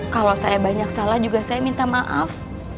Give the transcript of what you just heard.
kalau saya banyak salah juga saya minta maaf